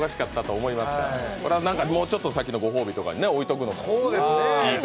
もうちょっと先のご褒美とかに置いておくのも。